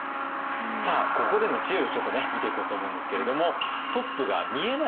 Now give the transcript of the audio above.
さあここでの知恵をちょっとね見ていこうと思うんですけれども。